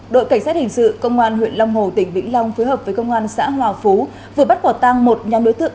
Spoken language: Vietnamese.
đội cảnh sát hình sự công an huyện long hồ tỉnh vĩnh long phối hợp với công an xã hòa phú vừa bắt quả tang một nhóm đối tượng